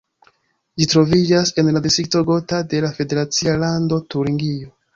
Ĝi troviĝas en la distrikto Gotha de la federacia lando Turingio.